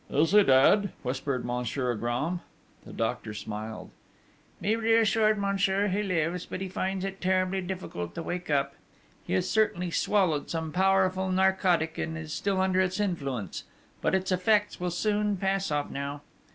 'Is he dead?' whispered Monsieur Agram. The doctor smiled: 'Be reassured, monsieur: he lives; but he finds it terribly difficult to wake up. He has certainly swallowed some powerful narcotic and is still under its influence; but its effects will soon pass off now.'